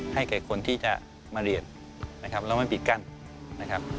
ให้แก่คนที่จะมาเรียนนะครับแล้วไม่ปิดกั้นนะครับ